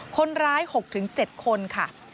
คนร้าย๖๗คนค่ะ